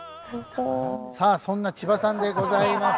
さあそんな千葉さんでございます。